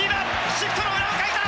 シフトの裏をかいた！